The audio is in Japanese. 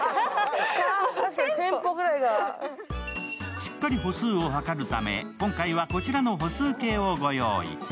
しっかり歩数を図るため、今回は歩数計をご用意。